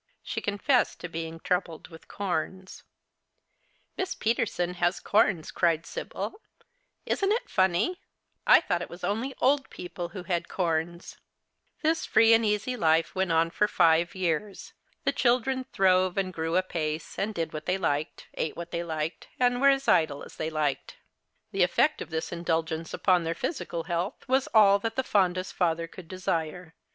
She confessed to being troubled with corns. " Miss Peterson has corns," cried Sibyl ;" isn't it funny ? I thought it was only old people wlio liad corns," SHE WAS LONDON BRED, A VERY BAD WALKER. The Christmas Hirelings. 51 This free and easy life went on for five years. The c'hihlren throve and grew apace — did what they liked, ate what they liked, and were as idle as they liked. The effect of this indulgence upon their physical health was all that the fondest father could desire.